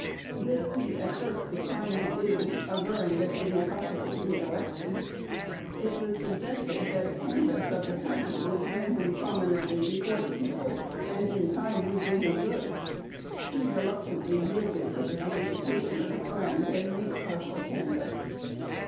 This he at first declined to do, averring that it was impossible to be elected. It was suggested that a canvass of the county would bring him prominently before the people, and in time would do him good. He reluctantly yielded to the solicitations of his friends, and made a partial canvass."